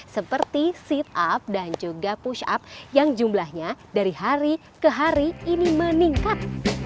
seperti sit up dan juga push up yang jumlahnya dari hari ke hari ini meningkat